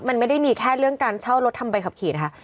มันไม่ได้มีแค่เรื่องการเช่ารถทำใบขับขี่นะคะ